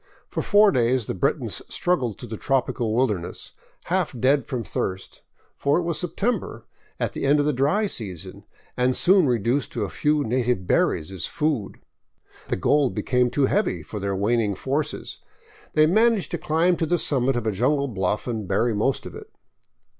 For four days the Britons struggled through the tropical wilderness, half dead from 552 LIFE IN THE BOLIVIAN WILDERNESS thirst — for it was September, at the end of the dry season — and soon reduced to a few native berries as food. The gold became too heavy for their waning forces. They managed to cHmb to the summit of a jungle bluff and bury most of it.